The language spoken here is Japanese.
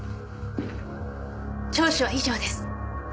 聴取は以上です。